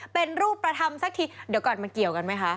เป็นรูปธรรมสักทีเดี๋ยวก่อนมันเกี่ยวกันไหมคะ